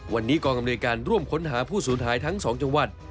วันนี้กองอำนวยการร่วมค้นหาผู้สูญหายทั้ง๒จังหวัด